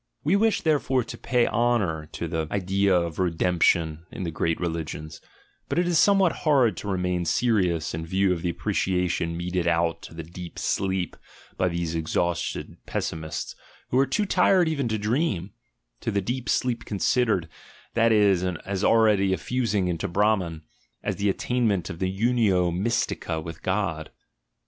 We wish, therefore, to pay honour to the idea of "redemp tion" in the great religions, but it is somewhat hard to remain serious in view of the appreciation meted out to the deep sleep by these exhausted pessmists who are too tired even to dream — to the deep sleep considered, that is, as already a fusing into Brahman, as the attainment of the unio mystica with God.